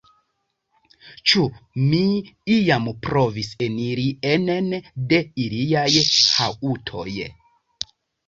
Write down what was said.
Ĉu mi iam provis eniri enen de iliaj haŭtoj?